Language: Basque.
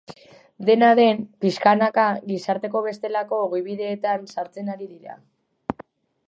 Dena den, pixkanaka, gizarteko bestelako ogibideetan sartzen ari dira.